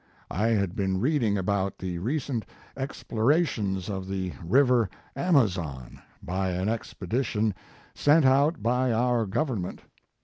I had been reading about the recent explora tions of the River Amazon by an expedi tion sent out by our government.